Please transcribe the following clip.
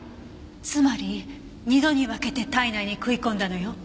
つまり２度に分けて体内に食い込んだのよ。